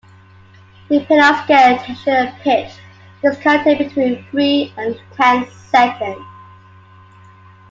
Depending on scale, tension and pitch, this can take between three and ten seconds.